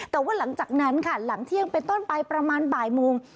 แต่ว่าหลังจากนั้นค่ะหลังเที่ยงเป็นต้นไปประมาณบ่ายโมง